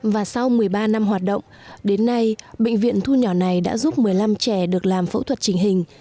và sau một mươi ba năm hoạt động đến nay bệnh viện thu nhỏ này đã giúp một mươi năm trẻ được làm phẫu thuật trình hình